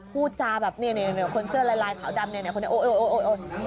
พูดจาแบบเนี่ยคนเสื้อลายขาวดำเนี่ยคนนี้โอ๊ย